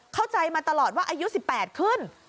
เข้าใจมาตลอดว่าอายุ๑๘ขึ้น